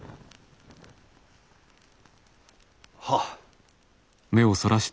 はっ。